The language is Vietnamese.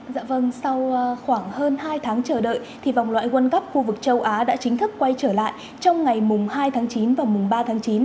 dạ vâng sau khoảng hơn hai tháng chờ đợi thì vòng loại quân cấp khu vực châu á đã chính thức quay trở lại trong ngày hai tháng chín và ba tháng chín